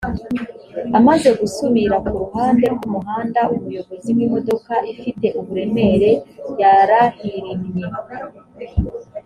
amaze gusubira ku ruhande rw’umuhanda umuyobozi w’imodoka ifite uburemere yarahirimye